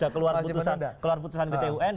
kalau pak jokowi sudah keluar putusan pt un